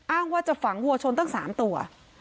ว่าจะฝังวัวชนตั้ง๓ตัว